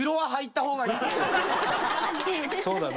そうだな。